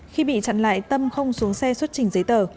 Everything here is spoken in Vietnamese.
khi bị chặn lại tâm không xuống xe xuất trình giấy tờ